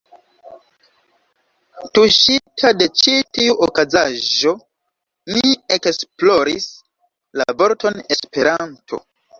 Tuŝita de ĉi tiu okazaĵo, mi ekesploris la vorton ”Esperanto”.